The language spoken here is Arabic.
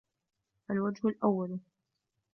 فَالْوَجْهُ الْأَوَّلُ